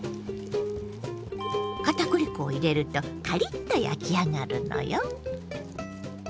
片栗粉を入れるとカリッと焼き上がるのよ。